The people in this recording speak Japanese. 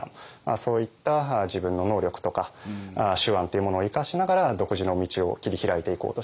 そういった自分の能力とか手腕っていうものを生かしながら独自の道を切り開いていこうとした。